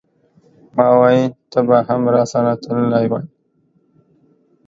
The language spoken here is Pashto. ماویل ته به هم راسره تللی وای.